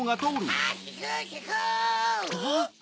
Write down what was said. ・あっ。